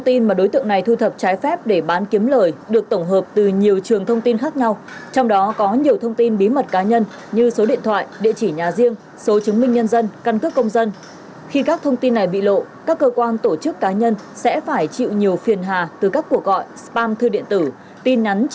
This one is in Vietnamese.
thu thập trái phép nhiều trường thông tin sau đó thu lợi bất chính hơn ba trăm linh triệu đồng một thông tin từ đó thu lợi bất chính hơn ba trăm linh triệu đồng